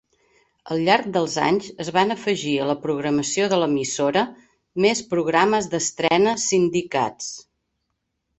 Al llarg dels anys, es van afegir a la programació de l'emissora més programes d'estrena sindicats.